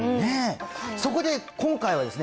そこで今回はですね